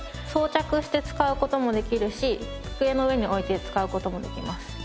装着して使う事もできるし机の上に置いて使う事もできます。